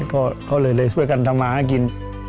ก็เลยช่วยกันทำมาหากิน